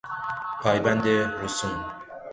پایبند رسوم